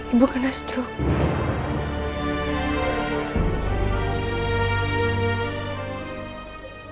ibu kena stroke